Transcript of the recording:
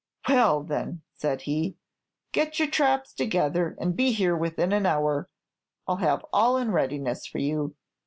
"'Well, then,' said he, 'get your traps together, and be here within an hour. I 'll have all in readiness for you.'